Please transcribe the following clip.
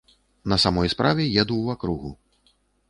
На самой справе, еду ў акругу.